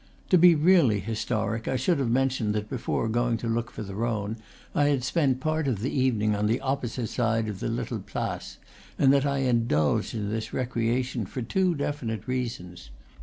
To be really historic, I should have mentioned that before going to look for the Rhone I had spent part of the evening on the opposite side of the little place, and that I indulged in this recreation for two definite reasons.